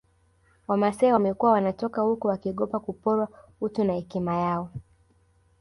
Wamasai wamekuwa wanatoka huko wakiogopa kuporwa utu na hekima yao